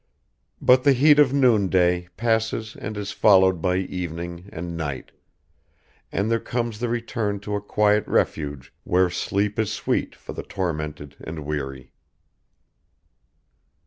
.." But the heat of noonday passes and is followed by evening and night, and there comes the return to a quiet refuge where sleep is sweet for the tormented and weary